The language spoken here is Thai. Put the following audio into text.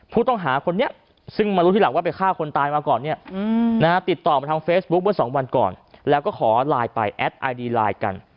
ผู้ต้องหาคนนี้ซึ่งมารู้ทีหลังว่าไปฆ่าคนตายมาก่อนเนี่ยนะฮะติดต่อมาทางเฟซบุ๊คเมื่อสองวันก่อนแล้วก็ขอไลน์ไปแอดไอดีไลน์กัน